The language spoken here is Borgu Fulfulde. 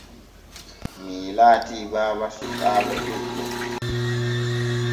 Mii laati baba sukaaɓe ɗuɓɓe.